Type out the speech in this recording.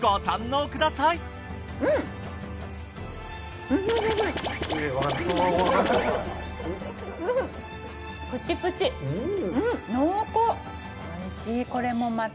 おいしいこれもまた。